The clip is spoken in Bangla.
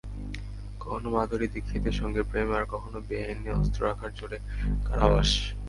কখনো মাধুরী দীক্ষিতের সঙ্গে প্রেম, আবার কখনো বেআইনি অস্ত্র রাখার জেরে কারাবাস।